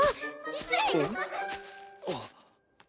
失礼いたします！